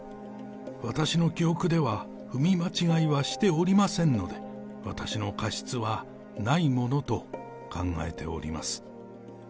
私の記憶では、踏み間違いはしておりませんので、私の過失はないものと考えております。